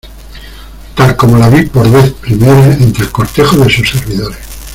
tal como la vi por vez primera entre el cortejo de sus servidores